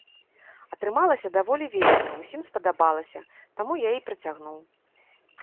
Атрымалася даволі весела, усім спадабалася, таму я і працягнуў.